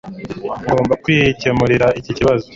Ngomba kwikemurira iki kibazo